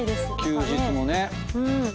休日もね。